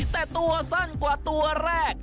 แต่ตัวสั้นกว่าตัวแรก